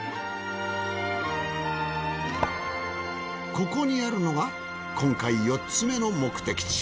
ここにあるのが今回４つ目の目的地。